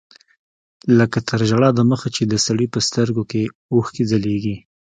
لکه تر ژړا د مخه چې د سړي په سترګو کښې اوښکې ځلېږي.